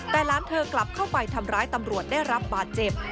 แต่หลานเธอกลับเข้าไปทำร้ายตำรวจได้รับบาดเจ็บ